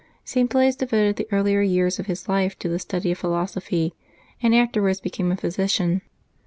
[T. Blase devoted the earlier years of his life to the study of philosophy, and afterwards became a physi cian.